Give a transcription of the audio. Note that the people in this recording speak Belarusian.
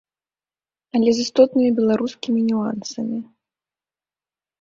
Але з істотнымі беларускімі нюансамі.